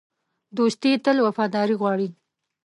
دوستي تل وفاداري غواړي.